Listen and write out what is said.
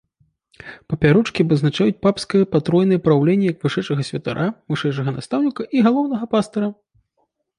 Папярочкі абазначаюць папскае патройнае праўленне як вышэйшага святара, вышэйшага настаўніка і галоўнага пастыра.